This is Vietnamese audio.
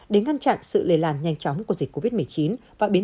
để ngăn chặn sự lề làn nhanh chóng của dịch covid một mươi chín